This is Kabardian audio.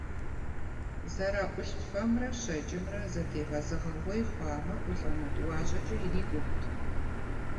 ЗэраӀулӀ фэмрэ щэкӀымрэ зэтегъэзэгъэгъуей хъуамэ, ӏулӏэнэ тӏуащӏэкӏэ ирикӀуэрт.